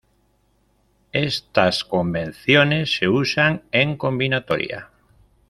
Estas convenciones se usan en combinatoria.